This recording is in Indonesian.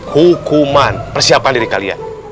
hukuman persiapan diri kalian